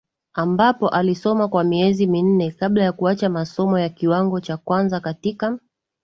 ambapo alisoma kwa miezi minne kabla ya kuacha masomo ya kiwango cha kwanza katika